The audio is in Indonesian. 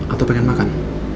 atau pengen makan